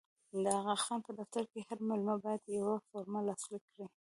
د اغا خان په دفتر کې هر مېلمه باید یوه فورمه لاسلیک کړي.